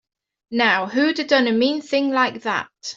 Now who'da done a mean thing like that?